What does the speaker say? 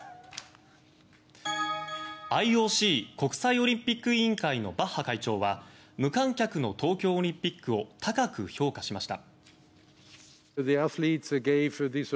ＩＯＣ・国際オリンピック委員会のバッハ会長は無観客の東京オンピックを高く評価しました。